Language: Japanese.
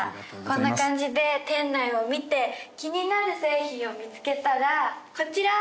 こんな感じで店内を見て気になる製品を見つけたらこちら！